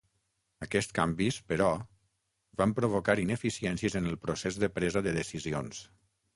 Aquests canvis, però, van provocar ineficiències en el procés de presa de decisions.